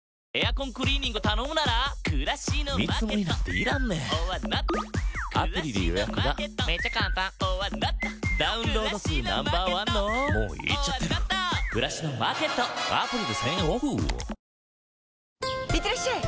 いってらっしゃい！